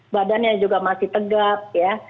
badannya juga masih tegap ya